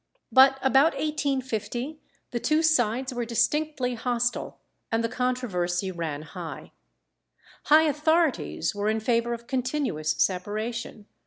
But about 1850 the two sides were distinctly hostile, and the controversy ran high. High authorities were in favour of continuous separation.